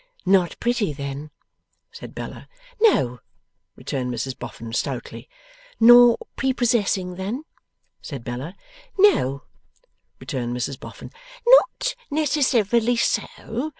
'Not pretty then?' said Bella. 'No,' returned Mrs Boffin, stoutly. 'Nor prepossessing then?' said Bella. 'No,' returned Mrs Boffin. 'Not necessarily so.